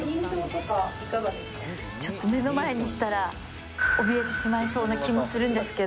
ちょっと目の前にしたらおびえてしまいそうな気もするんですけど。